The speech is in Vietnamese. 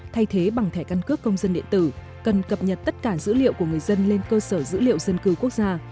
thay thế bằng thẻ căn cước công dân điện tử cần cập nhật tất cả dữ liệu của người dân lên cơ sở dữ liệu dân cư quốc gia